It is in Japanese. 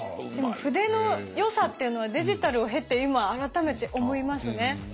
でも筆のよさっていうのはデジタルを経て今改めて思いますね。